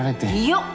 よっ！